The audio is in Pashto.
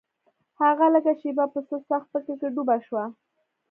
هغه لږه شېبه په څه سخت فکر کې ډوبه شوه.